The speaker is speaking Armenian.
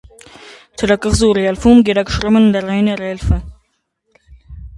Թերակղզու ռելիեֆում գերակշռում է լեռնային ռելիեֆը։